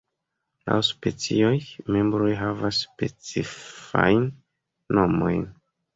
Laŭ specioj, membroj havas specifajn nomojn.